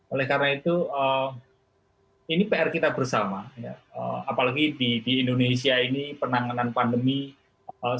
oleh karena itu ini pr kita bersama apalagi di indonesia ini penanganan pandemi sebagai